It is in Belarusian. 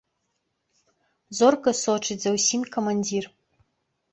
Зорка сочыць за ўсім камандзір.